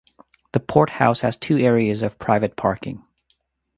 The port house has two areas of private parking.